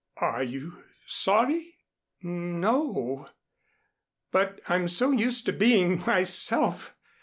"Are you sorry?" "N o. But I'm so used to being myself.